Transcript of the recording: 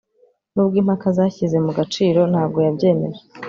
nubwo impaka zashyize mu gaciro, ntabwo yabyemeje